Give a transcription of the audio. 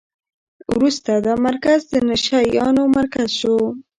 وروسته دا مرکز د نشه یانو مرکز شو.